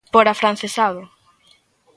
Por afrancesado!